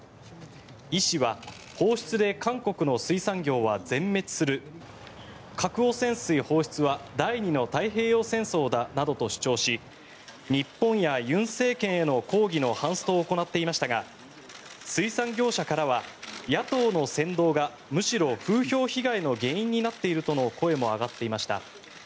イ氏は放出で韓国の水産業は全滅する核汚染水放出は第２の太平洋戦争などと主張し日本や尹政権への抗議のハンストを行っていましたが水産業者からは野党の扇動がむしろ風評被害の原因になっているとの声も上がっていました。